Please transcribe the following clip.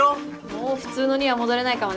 もう普通のには戻れないかもね。